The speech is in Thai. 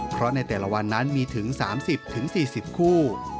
เพราะในแต่ละวันนั้นมีถึง๓๐๔๐คู่